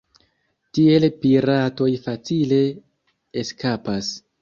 Tiel piratoj facile eskapas.